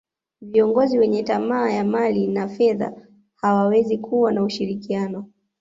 viongozi wenye tamaa ya mali na fedha hawawezi kuwa na ushirikiano